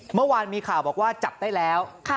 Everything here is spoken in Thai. เมื่อวานมีข่าวบอกว่าจับได้แล้ว